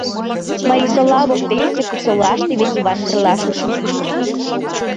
— Марисола воктенсе Купсолаште вет Йыван Кырла шочын кушкын.